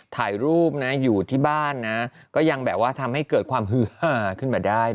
ถ่ายรูปนะอยู่ที่บ้านนะก็ยังแบบว่าทำให้เกิดความฮือหาขึ้นมาได้